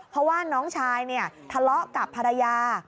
เพราะว่าน้องชายทะเลาะกับภรรยา